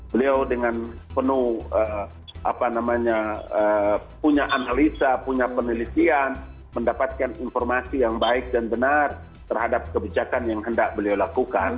beliau dengan penuh punya analisa punya penelitian mendapatkan informasi yang baik dan benar terhadap kebijakan yang hendak beliau lakukan